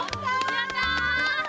やった！